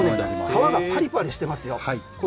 皮がパリパリしてますよ。